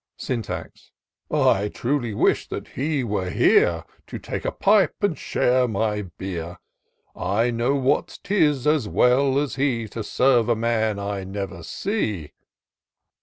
Syntax. " I truly wish that he were here, To take a pipe and share my beer ; I know what 'tis, as well as he. To serve a man I never see."